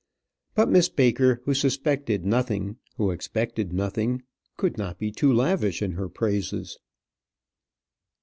But Miss Baker, who suspected nothing, who expected nothing, could not be too lavish in her praises.